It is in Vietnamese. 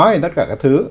hay tất cả các thứ